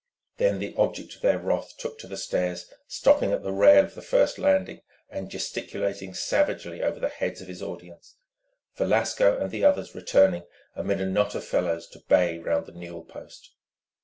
Then the object of their wrath took to the stairs, stopping at the rail of the first landing and gesticulating savagely over the heads of his audience, Velasco and the others returning amid a knot of fellows to bay round the newel post.